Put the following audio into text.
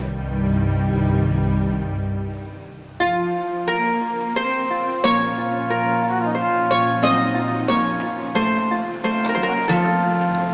umi gak ada cape capenya nyari masalah